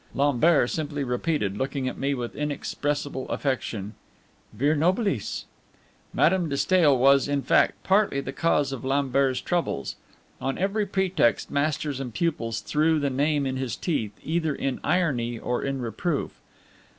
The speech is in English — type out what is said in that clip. Lambert simply repeated, looking at me with inexpressible affection, "Vir nobilis!" Madame de Stael was, in fact, partly the cause of Lambert's troubles. On every pretext masters and pupils threw the name in his teeth, either in irony or in reproof.